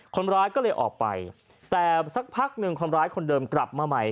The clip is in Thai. คนร้ายก็เลยออกไปแต่สักพักหนึ่งคนร้ายคนเดิมกลับมาใหม่